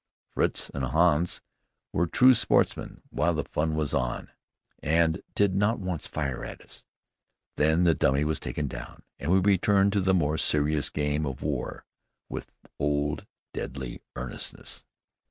Fritz and Hans were true sportsmen while the fun was on, and did not once fire at us. Then the dummy was taken down, and we returned to the more serious game of war with the old deadly earnestness.